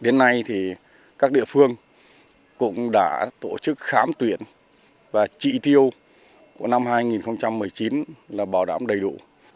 đến nay thì các địa phương cũng đã tổ chức khám tuyển và trị tiêu của năm hai nghìn một mươi chín là bảo đảm đầy đủ